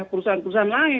ya perusahaan perusahaan lain